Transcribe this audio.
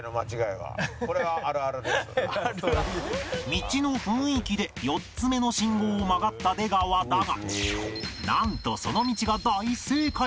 道の雰囲気で４つ目の信号を曲がった出川だがなんとその道が大正解！